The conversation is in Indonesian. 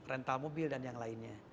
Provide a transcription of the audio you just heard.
rental mobil dan yang lainnya